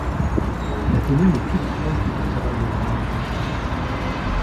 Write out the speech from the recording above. La commune est toute proche du littoral de la Manche.